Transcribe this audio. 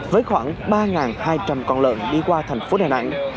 với khoảng ba hai trăm linh con lợn đi qua thành phố đà nẵng